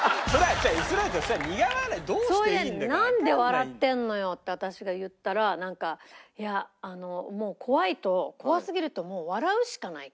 それで「なんで笑ってんのよ」って私が言ったらなんかいやあのもう怖いと怖すぎるともう笑うしかないって。